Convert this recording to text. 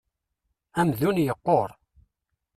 Amdun yequṛ.